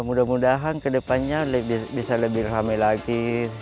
mudah mudahan ke depannya bisa lebih ramai lagi